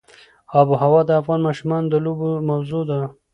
آب وهوا د افغان ماشومانو د لوبو موضوع ده.